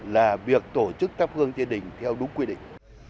là việc tổ chức tháp hương thiên đình theo đúng quy định